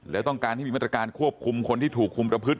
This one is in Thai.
แล้วต้องการให้มีมาตรการควบคุมคนที่ถูกคุมประพฤติ